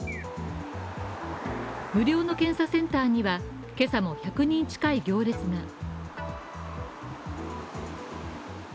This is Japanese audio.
無料の検査センターには、今朝も１００人近い行列が。